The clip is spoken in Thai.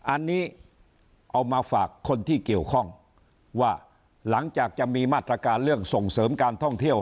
อันนี้เอามาฝากคนที่เกี่ยวข้องว่าหลังจากจะมีมาตรการเรื่องส่งเสริมการท่องเที่ยว